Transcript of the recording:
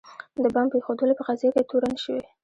د بمب ایښودلو په قضیه کې تورن شوي.